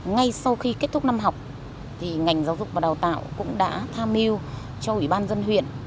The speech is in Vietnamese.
ngay sau khi kết thúc năm học ngành giáo dục và đào tạo cũng đã tham mưu cho ủy ban dân huyện